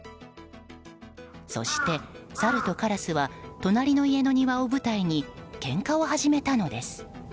そして、サルとカラスは隣の家の庭を舞台にけんかを始めたのです。